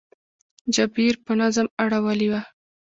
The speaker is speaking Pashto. جبیر په نظم اړولې وه.